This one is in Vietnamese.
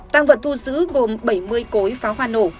tăng vật thu giữ gồm bảy mươi cối pháo hoa nổ